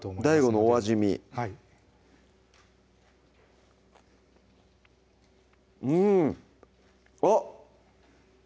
ＤＡＩＧＯのお味見うんあっ！